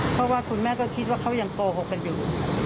เพราะว่าคุณแม่ก็คิดว่าเขายังโกหกกันอยู่